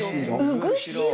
「うぐしろ」。